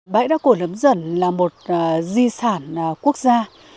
bãi đá cổ nấm dần là một di sản quốc gia